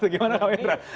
gimana kak wendra